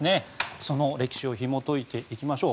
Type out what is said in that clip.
その歴史をひも解いていきましょう。